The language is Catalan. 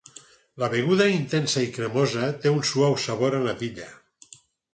La beguda intensa i cremosa té un suau sabor a natilla.